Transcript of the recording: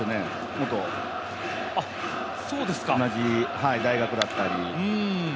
元同じ大学だったり。